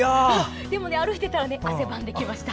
でも歩いていたら汗ばんできました。